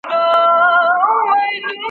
ښه ذهنیت فشار نه جوړوي.